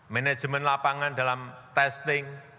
manajemen lapangan dalam testing